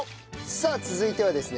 さあ続いてはですね